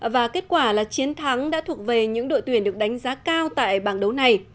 và kết quả là chiến thắng đã thuộc về những đội tuyển được đánh giá cao tại bảng đấu này